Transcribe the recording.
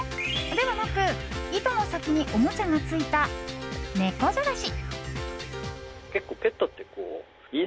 ではなく糸の先におもちゃがついた猫じゃらし。